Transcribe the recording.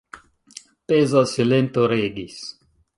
Peza silento regis.